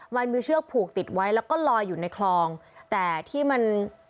มันมีเชือกผูกติดไว้แล้วก็ลอยอยู่ในคลองแต่ที่มัน